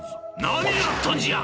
何やっとんじゃ！」。